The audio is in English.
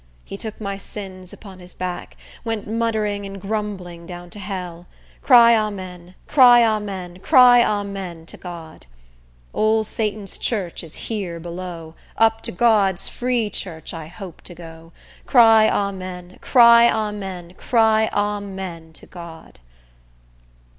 He took my sins upon his back; Went muttering and grumbling down to hell. Cry Amen, cry Amen, cry Amen to God! Ole Satan's church is here below. Up to God's free church I hope to go. Cry Amen, cry Amen, cry Amen to God!